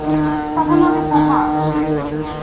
— Та воно непогано.